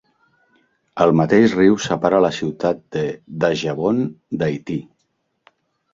El mateix riu separa la ciutat de Dajabon d'Haití.